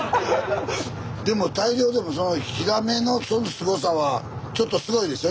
でも大漁でもそのヒラメのすごさはちょっとすごいでしょ？